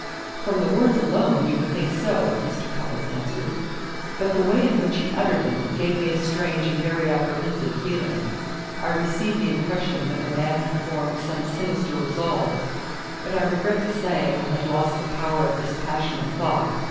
"From the words alone you would think so," Mr. Cupples answered. "But the way in which he uttered them gave me a strange and very apprehensive feeling. I received the impression that the man had formed some sinister resolve. But I regret to say I had lost the power of dispassionate thought.